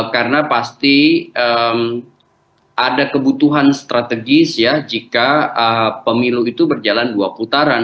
karena pasti ada kebutuhan strategis ya jika pemilu itu berjalan dua putaran